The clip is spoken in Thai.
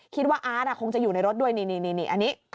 อาร์ตคงจะอยู่ในรถด้วยนี่อันนี้